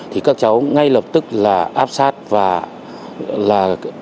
thì các cháu ngay lập tức là áp sát và là